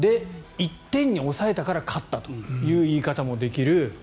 １点に抑えたから勝ったという言い方もできる。